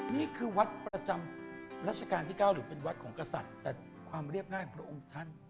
นี่คือวัดประจำรัชกาลที่๙หรือเป็นวัดของกษัตริย์แต่ความเรียบง่ายของพระองค์ท่าน